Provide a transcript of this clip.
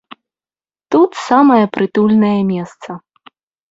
Тут самае прытульнае месца.